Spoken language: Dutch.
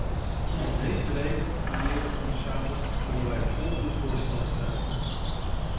Om deze reden, mijnheer de commissaris, zullen wij voor uw voorstel stemmen.